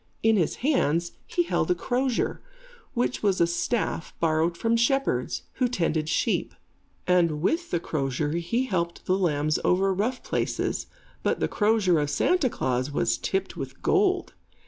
In his hands, he held a crozier, which was a staff borrowed from shepherds, who tended sheep; and with the crozier he helped the lambs over rough places; but the crozier of Santa Klaas was tipped with gold.